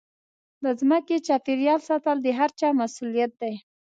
د ځمکې چاپېریال ساتل د هرچا مسوولیت دی.